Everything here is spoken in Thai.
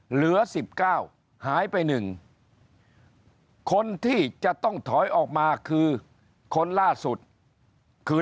เหลือ๑๙หายไป๑คนที่จะต้องถอยออกมาคือคนล่าสุดคือ